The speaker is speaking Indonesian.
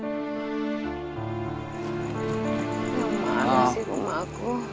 kalau ada orang masalah saya akan langsung bawain sama itu